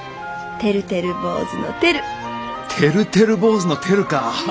てるてる坊主のテルか！